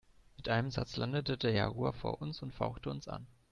Mit einem Satz landete der Jaguar vor uns und fauchte uns an.